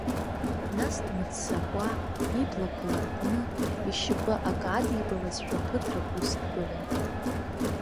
Нас дмыццакуа, иблақәа ларҟәны, ишьапы акы адибалазшәа ԥыҭрак ус дгылан.